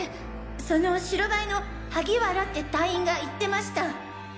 その白バイの萩原って隊員が言ってました。